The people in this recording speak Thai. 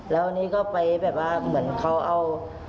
แล้วอันนี้ก็ไปแบบว่าเหมือนเขาเอา